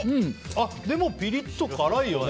でもピリッと辛いよね